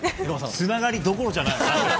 つながりどころじゃない。